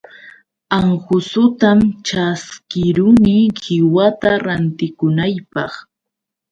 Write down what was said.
Anqusutam ćhaskiruni qiwata rantikunaypaq.